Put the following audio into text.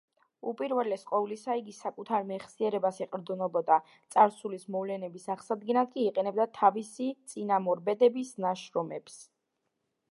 უპირველეს ყოვლისა, იგი საკუთარ მეხსიერებას ეყრდნობოდა, წარსულის მოვლენების აღსადგენად კი იყენებდა თავისი წინამორბედების ნაშრომებს.